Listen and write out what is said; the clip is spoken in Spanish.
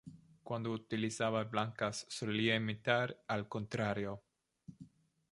Cuando utilizaba blancas solía imitar al contrario.